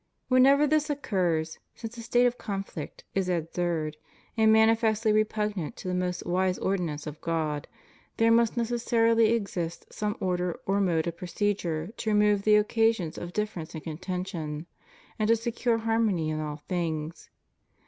Whenever this occurs, since a state of conflict is absurd and manifestly repugnant to the most wise ordinance of God, there must necessarily exist some order or mode of procedure to remove the occasions of difference and contention, and to secure harmony in all things.